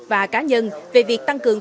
và cá nhân về việc tăng cường